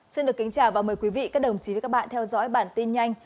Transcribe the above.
xin được kính chào và mời quý vị các đồng chí với các bạn theo dõi bản tin nhanh